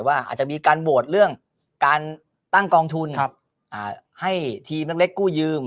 อาจจะมีการโหวตเรื่องการตั้งกองทุนให้ทีมเล็กกู้ยืม